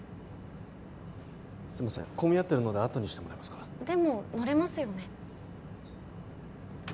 すいませんこみあってるのであとにしてもらえますかでも乗れますよね？